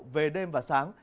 về đêm và sáng